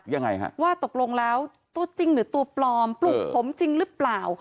ยังไงฮะว่าตกลงแล้วตัวจริงหรือตัวปลอมปลุกผมจริงหรือเปล่า